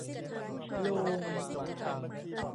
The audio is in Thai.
โลง